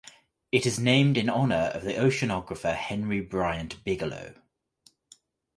It is named in honour of the oceanographer Henry Bryant Bigelow.